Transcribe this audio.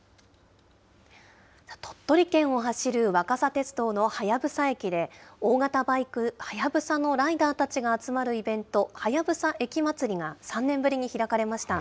鳥取県を走る若桜鉄道の隼駅で、大型バイク、隼のライダーたちが集まるイベント、隼駅まつりが３年ぶりに開かれました。